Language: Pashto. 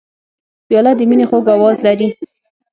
پیاله د مینې خوږ آواز لري.